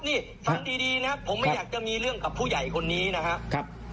นี่ฟังดีนะครับผมไม่อยากจะมีเรื่องกับผู้ใหญ่คนนี้นะครับ